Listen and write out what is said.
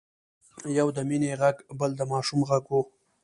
يو د مينې غږ بل د ماشوم غږ و.